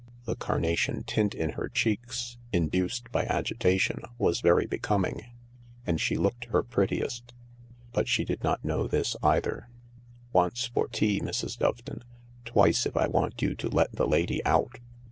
The carnation tint in her cheeks, in duced by agitation, was very becoming, and she looked her prettiest. But she did not know this either. "Once for tea, Mrs. Doveton. Twice if I want you to let the lady out.